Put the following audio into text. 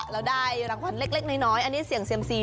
แล้วได้รางวัลเล็กน้อยอันนี้เสี่ยงเซียมซี